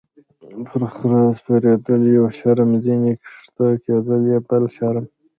- پر خره سپرېدل یو شرم، ځینې کښته کېدل یې بل شرم.